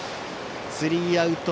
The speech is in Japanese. スリーアウト。